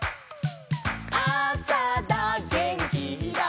「あさだげんきだ」